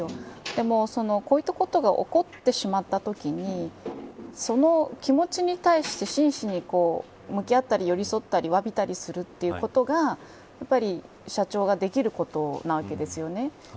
でも、こういったことが起こってしまったときにその気持ちに対して真摯に向き合ったり、寄り添ったりわびたりするということがやっぱり社長ができることなわけですよね。